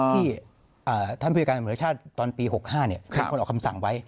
ที่ท่านพิวเกรการธรรมชาติตอนปี๖๕มีคนออกคำสั่งไว้